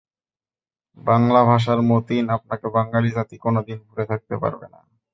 বাংলা ভাষার মতিন, আপনাকে বাঙালি জাতি কোনো দিন ভুলে থাকতে পারবে না।